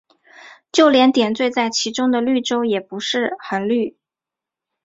就连点缀在其中的绿洲也不很绿。